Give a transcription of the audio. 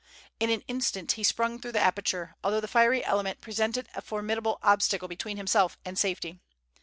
In an instant he sprung through the aperture, although the fiery element presented a formidable obstacle between himself and safety.